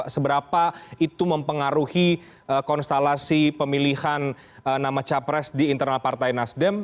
seberapa itu mempengaruhi konstelasi pemilihan nama capres di internal partai nasdem